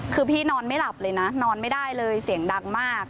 คือพี่นอนไม่หลับเลยนะนอนไม่ได้เลยเสียงดังมาก